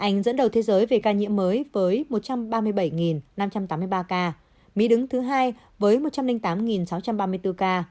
anh dẫn đầu thế giới về ca nhiễm mới với một trăm ba mươi bảy năm trăm tám mươi ba ca mỹ đứng thứ hai với một trăm linh tám sáu trăm ba mươi bốn ca